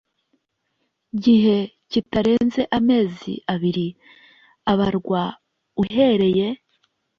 gihe kitarenze amezi abiri abarwa uhereye